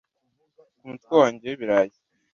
ku mutwe wanjye wibirayi